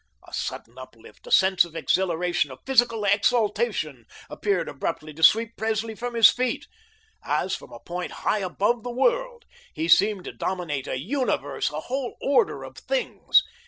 A sudden uplift, a sense of exhilaration, of physical exaltation appeared abruptly to sweep Presley from his feet. As from a point high above the world, he seemed to dominate a universe, a whole order of things.